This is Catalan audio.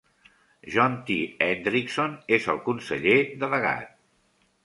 John T. Hendrickson és el conseller delegat.